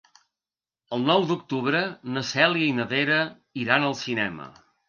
El nou d'octubre na Cèlia i na Vera iran al cinema.